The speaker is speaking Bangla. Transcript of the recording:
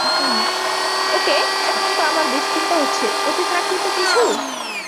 ওকে, এখন তো আমার বেশ চিন্তা হচ্ছে, অতিপ্রাকৃত কিছু?